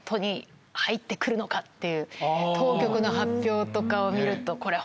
当局の発表とかを見ると。